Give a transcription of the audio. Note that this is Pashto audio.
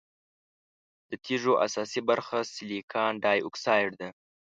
د تیږو اساسي برخه سلیکان ډای اکسايډ ده.